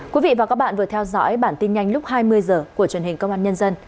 quý vị và các bạn vừa theo dõi bản tin nhanh lúc hai mươi h của truyền hình công an nhân dân